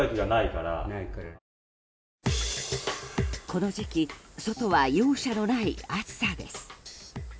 この時期外は容赦のない暑さです。